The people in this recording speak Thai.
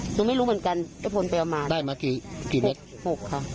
หนูไม่รู้เหมือนกันเจ้าพลไปเอามาได้มากี่กี่เม็ดหกค่ะ